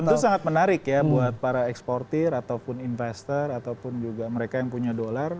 tentu sangat menarik ya buat para eksportir ataupun investor ataupun juga mereka yang punya dolar